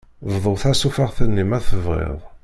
Bḍu tasufeɣt-nni ma tebɣiḍ.